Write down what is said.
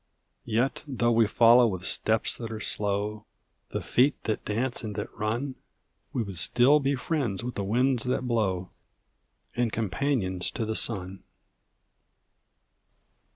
Yet, though we follow with steps that are slow The feet that dance and that run; We would still be friends with the winds that blow, And companions to the sun!